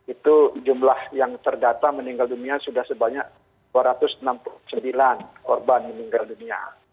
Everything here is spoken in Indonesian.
itu jumlah yang terdata meninggal dunia sudah sebanyak dua ratus enam puluh sembilan korban meninggal dunia